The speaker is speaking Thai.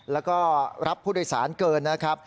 แล้วก็รับผู้โดยสารเกินนะครับ